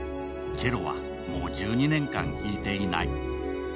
チェロはもう１２年間弾いていない。